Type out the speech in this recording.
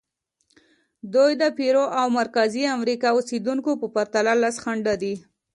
دوی د پیرو او مرکزي امریکا اوسېدونکو په پرتله لس چنده دي.